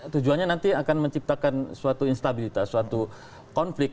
tujuannya nanti akan menciptakan suatu instabilitas suatu konflik